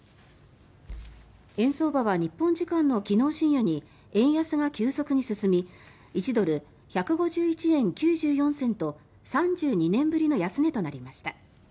円相場は日本時間の昨日深夜に円安が急速に進み１ドル＝１５１円９４銭と３２年ぶりの安値となりました。